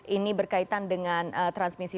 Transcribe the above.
ini berkaitan dengan transmisi